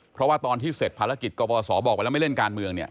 เพราะว่าตอนที่เสร็จภารกิจกบสบอกว่าไม่เล่นการเมือง